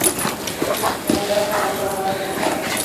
Rembrandt produjo algunas similares.